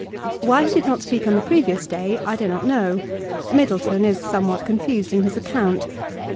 Why he did not speak on the previous day I do not know. Middleton is somewhat confused in his account.